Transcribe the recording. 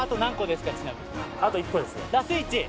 ラス１！